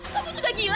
kamu sudah gila